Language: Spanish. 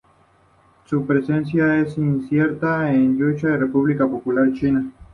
Su presencia es incierta en Yunnan, República Popular de China.